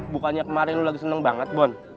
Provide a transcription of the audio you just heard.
bukannya kemarin lo lagi seneng banget bon